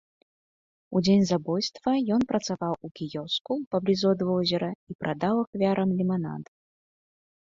У дзень забойства ён працаваў у кіёску паблізу ад возера і прадаў ахвярам ліманад.